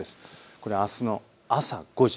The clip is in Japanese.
これはあすの朝５時。